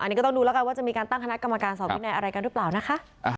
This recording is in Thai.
อันนี้ก็ต้องดูแล้วกันว่าจะมีการตั้งคณะกรรมการสอบวินัยอะไรกันหรือเปล่านะคะ